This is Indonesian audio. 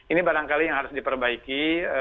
ini barangkali yang harus diperbaiki